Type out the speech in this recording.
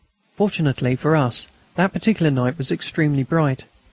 Fortunately for us, that particular night was extremely bright.